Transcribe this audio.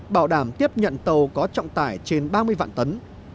bảo đảm tiếp nhận tàu có trọng tải trên ba mươi vạn tấn